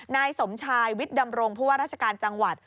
นายสมชายวิทย์ดำรงผู้ว่าราชการจังหวัด